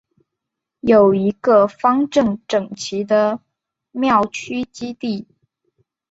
有一个方正整齐的庙区基地。